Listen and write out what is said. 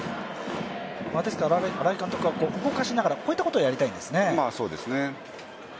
新井監督は動かしながらこういったことをやりたいんですね。